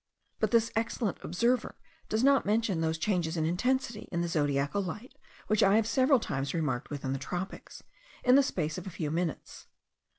But this excellent observer does not mention those changes of intensity in the zodiacal light which I have several times remarked within the tropics, in the space of a few minutes.